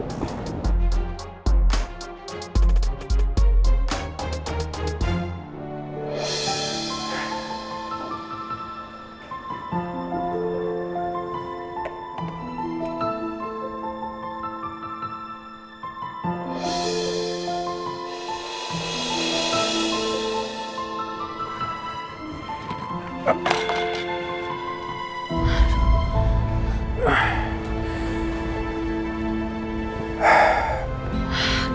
aku permisi dulu